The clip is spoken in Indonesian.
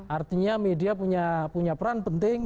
artinya media punya peran penting